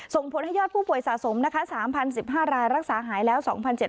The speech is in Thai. ส่งผลให้ยอดผู้ป่วยสะสมนะคะ๓๐๑๕รายรักษาหายแล้ว๒๗๐